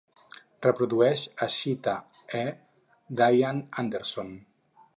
Reprodueix Ashita E d'Ian Anderson